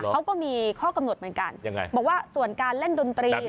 เขาก็มีข้อกำหนดเหมือนกันยังไงบอกว่าส่วนการเล่นดนตรี